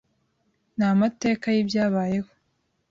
ni amateka y’ ibyabayeho